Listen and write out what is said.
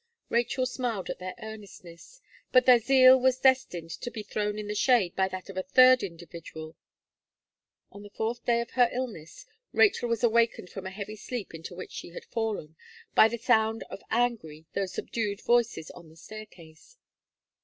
Rachel smiled at their earnestness; but their zeal was destined to be thrown in the shade by that of a third individual. On the fourth day of her illness, Rachel was awakened from a heavy sleep into which she had fallen, by the sound of angry though subdued voices on the staircase.